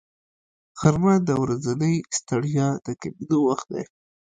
غرمه د ورځنۍ ستړیا د کمېدو وخت دی